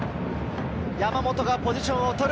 山本がポジションを取る。